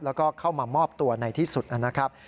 แล้วก็เข้ามามอบตัวในที่สุดนะครับ